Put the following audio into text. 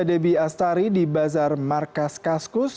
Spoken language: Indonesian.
debbie astari di bazar markas kaskus